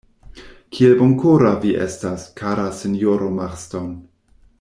Kiel bonkora vi estas, kara sinjoro Marston!